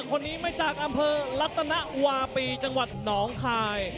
คนนี้มาจากอำเภอรัตนวาปีจังหวัดหนองคาย